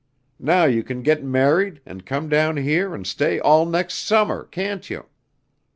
Now you can get married and come down here and stay all next summer, can't you?"